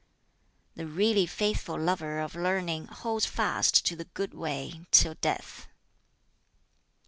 "The really faithful lover of learning holds fast to the Good Way till death.